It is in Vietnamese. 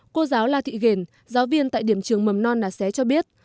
cô giáo la thị huyền giáo viên tại điểm trường mầm non nà xé cho biết